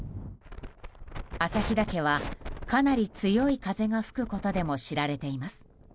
朝日岳は、かなり強い風が吹くことでも知られています。